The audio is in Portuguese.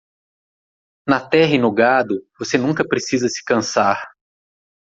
Na terra e no gado, você nunca precisa se cansar.